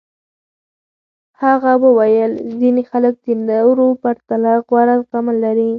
هغې وویل ځینې خلک د نورو پرتله غوره زغمل لري.